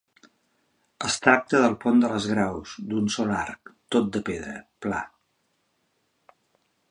Es tracta del pont de les Graus, d'un sol arc, tot de pedra, pla.